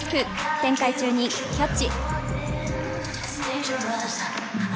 転回中にキャッチ。